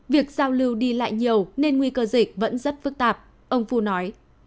việc giao lưu đi lại nhiều nên nguy cơ dịch vẫn rất phức tạp ông phu nói